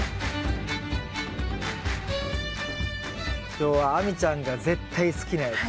今日は亜美ちゃんが絶対好きなやつ。